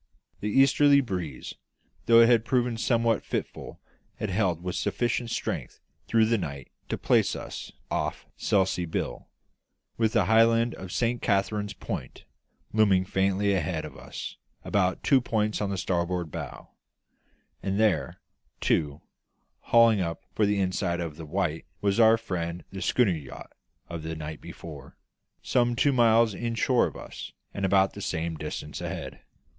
The easterly breeze, though it had proved somewhat fitful, had held with sufficient strength through the night to place us off Selsey Bill, with the high land of Saint Catherine's Point looming faintly ahead of us about two points on the starboard bow; and there, too, hauling up for the inside of the Wight, was our friend the schooner yacht of the night before, some two miles inshore of us and about the same distance ahead.